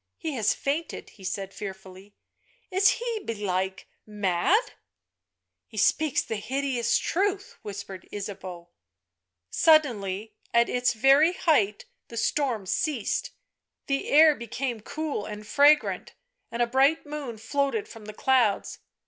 " He has fainted," he said fearfully; " is he, belike, mad ?" u He speaks the hideous truth," whispered Ysabcau. Suddenly, at its very height the storm ceased, the air became cool and fragrant, and a bright moon floated from the clouds.